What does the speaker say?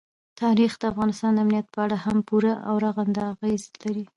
تاریخ د افغانستان د امنیت په اړه هم پوره او رغنده اغېز لري.